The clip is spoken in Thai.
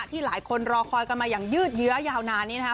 ที่หลายคนรอคอยกันมาอย่างยืดเยื้อยาวนานนี้นะคะ